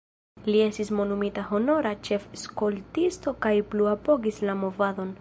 Li estis nomumita honora ĉef-skoltisto kaj plu apogis la movadon.